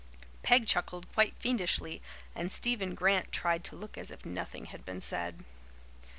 Peg chuckled quite fiendishly and Stephen Grant tried to look as if nothing had been said.